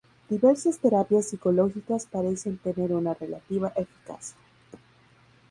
Diversas terapias psicológicas parecen tener una relativa eficacia.